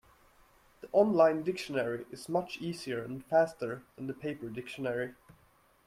The online dictionary is much easier and faster than the paper dictionary.